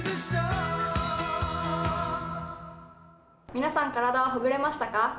皆さん、体はほぐれましたか？